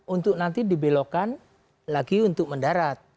untuk nanti dibelokkan lagi untuk mendarat